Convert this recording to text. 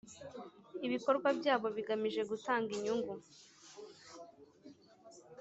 ibikorwa byabo bigamije gutanga inyungu